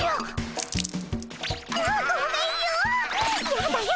やだよ